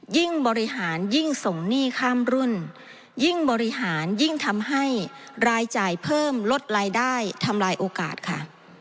บริหารยิ่งส่งหนี้ข้ามรุ่นยิ่งบริหารยิ่งทำให้รายจ่ายเพิ่มลดรายได้ทำลายโอกาสค่ะ